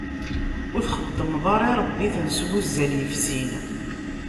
Ur txeddmeḍ ara iṛebbiten s wuzzal yefsin.